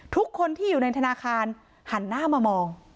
ทุกคนที่อยู่ในธนาคารหันหน้ามามอง